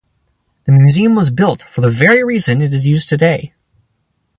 The museum was built for the very reason it is used today.